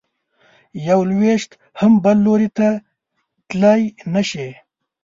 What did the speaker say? یو لویشت هم بل لوري ته تلی نه شې.